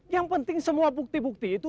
yang penting semua bukti bukti itu